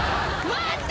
待って。